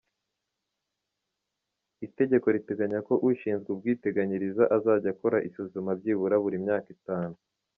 Itegeko riteganya ko ushinzwe iby’ubwiteganyiriza azajya akora isuzuma byibura buri myaka itanu.